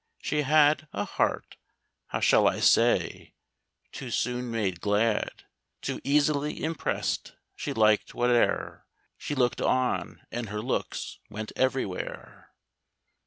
She had A heart how shall I say too soon made glad, Too easily impressed; she liked whate'er She looked on, and her looks went everywhere.